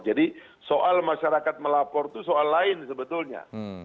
jadi soal masyarakat melapor itu soal lain sebetulnya